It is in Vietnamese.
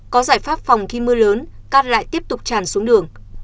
có giải pháp phòng khi mưa lớn cát lại tiếp tục tràn xuống đường